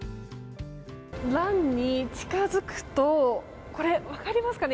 ランに近づくとこれ、分かりますかね。